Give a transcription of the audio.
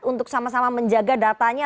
untuk sama sama menjaga datanya